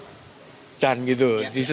jadi biruk pikuk yang kemarin itu terus dikawal